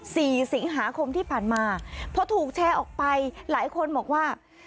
สี่สิงหาคมที่ผ่านมาพอถูกแชร์ออกไปหลายคนบอกว่า